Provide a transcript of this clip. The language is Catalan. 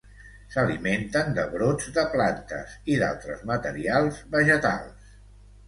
S'alimenten de brots de plantes i d'altres materials vegetals.